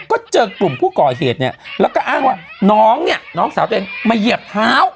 ก็เจอกลุ่มผู้ก่อเหตุเนี่ยแล้วก็อ้างว่าน้องเนี่ยน้องสาวตัวเองมาเหยียบเท้า